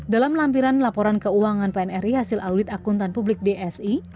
dalam lampiran laporan keuangan pnri hasil audit akuntan publik dsi